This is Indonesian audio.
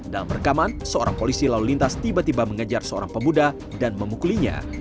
dalam rekaman seorang polisi lalu lintas tiba tiba mengejar seorang pemuda dan memukulinya